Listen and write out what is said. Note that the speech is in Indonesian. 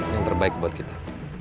yang terbaik buat kita